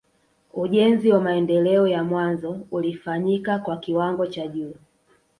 Ujenzi wa maendeleo ya mwanzo ulifanyika kwa kiwango cha juu